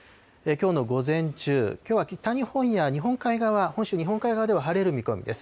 きょうの午前中、きょうは北日本や日本海側、本州日本海側では晴れる見込みです。